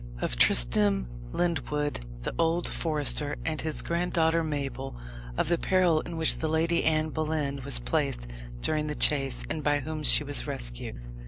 Of Tristram Lyndwood, the old Forester, and his Grand daughter Mabel Of the Peril in which the Lady Anne Boleyn was placed during the chase And by whom she was rescued.